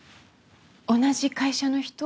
同じ会社の人？